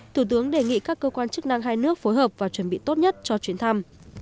thủ tướng đề nghị các cơ quan chức năng hai nước phối hợp và chuẩn bị tốt nhất cho chuyến thăm